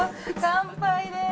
乾杯です！